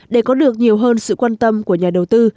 để có được nhiều hơn sự quan tâm của nhà đầu tư